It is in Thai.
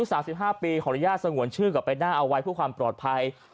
ที่๓๕ปีของระยะสงวนชื่นกลับไปหน้าเอาไว้เพื่อความปลอดภัย